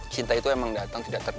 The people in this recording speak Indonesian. cinta itu emang datang tidak terdekat